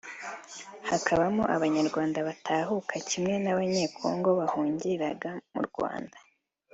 hakabamo Abanyarwanda batahuka kimwe n’Abanyekongo bahungira mu Rwanda